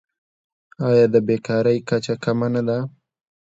آیا د بیکارۍ کچه کمه نه ده؟